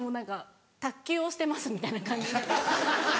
「卓球をしてます」みたいな感じで。